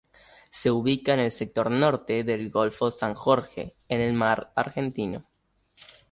Se ubica en el sector norte del golfo San Jorge en el mar Argentino.